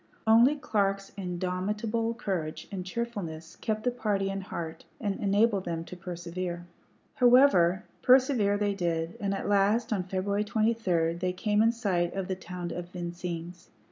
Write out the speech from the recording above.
Only Clark's indomitable courage and cheerfulness kept the party in heart and enabled them to persevere. However, persevere they did, and at last, on February 23, they came in sight of the town of Vincennes.